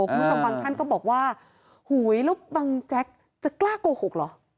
คุณผู้ชมบางท่านก็บอกว่าหุยแล้วบังแจ๊กจะกล้าโกหกเหรอ